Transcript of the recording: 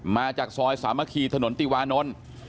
มาจากซอยสามัคคีถนนติวานนท์